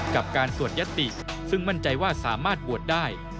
กับการสวดยัตติซึ่งมั่นใจว่าสามารถบวชได้